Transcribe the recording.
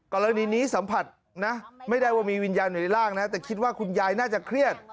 กรณีนี้สัมผัสนะไม่ได้ว่ามีวิญญาณอยู่ในร่างนะแต่คิดว่าคุณยายน่าจะเครียด